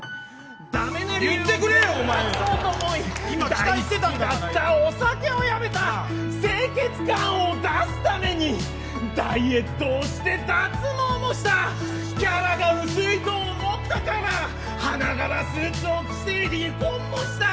だめな理由を隠そうと思い大好きだったお酒をやめた清潔感を出すためにダイエットをして脱毛もしたキャラが薄いと思ったから花柄スーツを着て離婚もした。